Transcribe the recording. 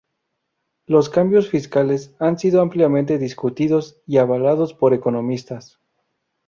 Los cambios fiscales han sido ampliamente discutidos y avalados por economistas.